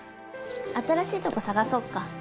新しいとこ探そっか。